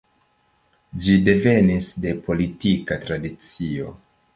Ĝi devenis de politika tradicio.